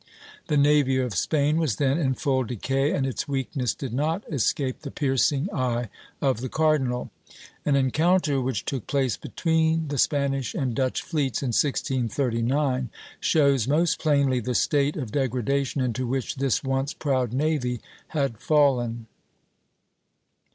The navy of Spain was then in full decay, and its weakness did not escape the piercing eye of the cardinal. An encounter which took place between the Spanish and Dutch fleets in 1639 shows most plainly the state of degradation into which this once proud navy had fallen.